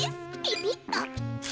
ピピッと。